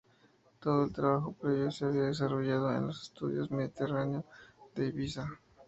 Todo el trabajo previo se había desarrollado en los Estudios Mediterráneo de Ibiza.